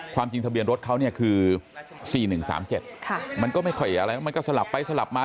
ความจริงทะเบียนรถเขาเนี่ยคือ๔๑๓๗มันก็ไม่ค่อยอะไรมันก็สลับไปสลับมา